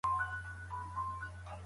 هغه څېړنه د سياست په اړه نوي حقايق ښيي.